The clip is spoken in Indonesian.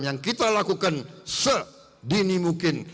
yang kita lakukan sedini mungkin